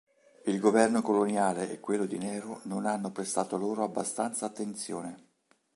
Il governo coloniale e quello di Nehru non hanno prestato loro abbastanza attenzione.